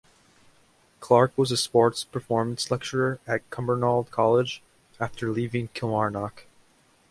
Clark was a sports performance lecturer at Cumbernauld College after leaving Kilmarnock.